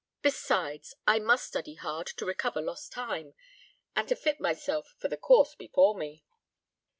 Besides, I must study hard to recover lost time, and to fit myself for the course before me."